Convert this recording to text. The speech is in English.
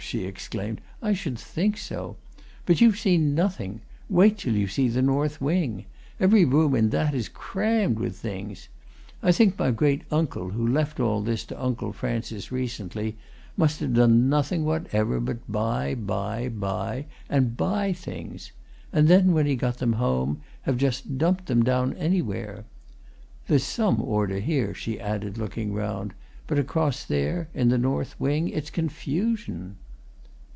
she exclaimed. "I should think so! But you've seen nothing wait till you see the north wing. Every room in that is crammed with things I think my great uncle, who left all this to Uncle Francis recently, must have done nothing whatever but buy, and buy, and buy things, and then, when he got them home, have just dumped them down anywhere! There's some order here," she added, looking round, "but across there, in the north wing, it's confusion."